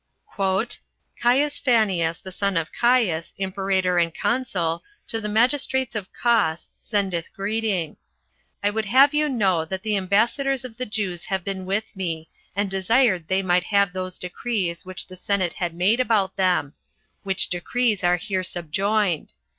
15. "Caius Phanius, the son of Caius, imperator and consul, to the magistrates of Cos, sendeth greeting. I would have you know that the ambassadors of the Jews have been with me, and desired they might have those decrees which the senate had made about them; which decrees are here subjoined.